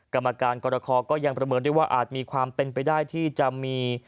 กรรมการกรคอก็ยังประเมินได้ว่าอาจมีความเป็นไปได้ที่จะมี